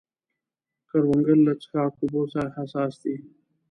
کروندګر له څښاک اوبو سره حساس دی